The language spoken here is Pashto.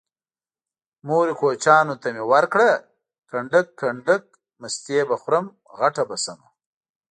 مورې کوچيانو ته مې ورکړه کنډک کنډک مستې به خورم غټه به شمه